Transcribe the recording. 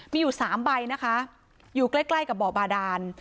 มีอยู่๓ใบนะคะอยู่ใกล้ใกล้กับบ่อบาดาน